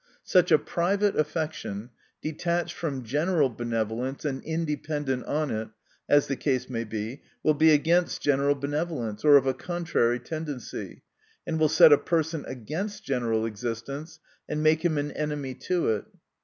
Such a private affection, detached from general benevolence and indepen dent on it, as the case may be, will be against general benevolence, or of a contrary tendency ; and will set a person against general existence, and make him an enemy to it.